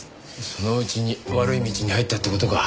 そのうちに悪い道に入ったって事か。